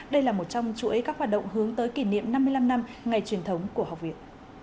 đây là một trong chuỗi các hoạt động hướng tới kỷ niệm năm mươi năm năm ngày truyền thống của học viện